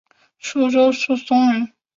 舒州宿松人。